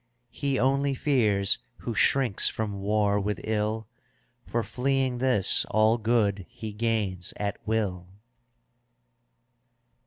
He only fears who shrinks from war with ill, For fleeing this all good he gains at will.